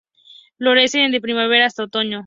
Florece de primavera hasta otoño.